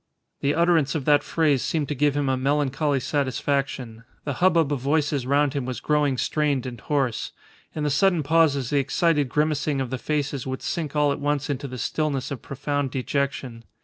The utterance of that phrase seemed to give him a melancholy satisfaction. The hubbub of voices round him was growing strained and hoarse. In the sudden pauses the excited grimacing of the faces would sink all at once into the stillness of profound dejection.